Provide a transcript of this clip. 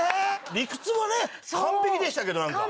理屈はね完璧でしたけどなんか。